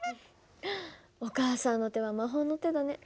お母さんの手は魔法の手だね。